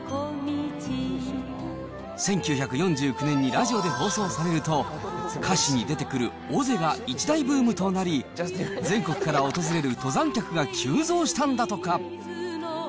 １９４９年にラジオで放送されると、歌詞に出てくる尾瀬が一大ブームとなり、全国から訪れる登山客が急増したんだとか。